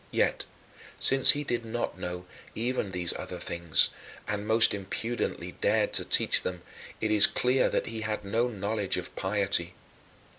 Yet, since he did not know even these other things, and most impudently dared to teach them, it is clear that he had no knowledge of piety.